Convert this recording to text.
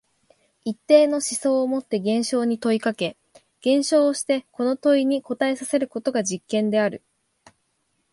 一定の思想をもって現象に問いかけ、現象をしてこの問いに答えさせることが実験である。